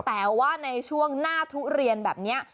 แต่ว่าในช่วงหน้าทุเรียนแบบนี้